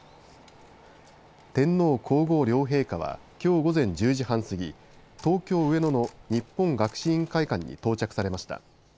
天皇皇后両陛下は、きょう午前１０時半過ぎ東京上野の日本学士院会館に到着されました。